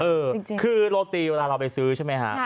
เออคือโรตีเวลาเราไปซื้อใช่ไหมครับ